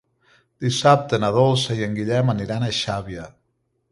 Dissabte na Dolça i en Guillem aniran a Xàbia.